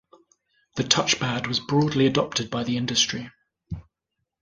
The touchpad was broadly adopted by the industry.